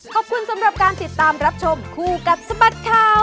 ขอบคุณสำหรับการติดตามรับชมคู่กับสบัดข่าว